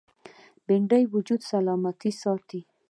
بېنډۍ د وجود سلامت ساتي